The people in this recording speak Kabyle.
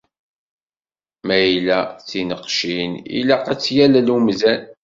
Ma yella d tineqcin, ilaq ad tt-yallel umdan.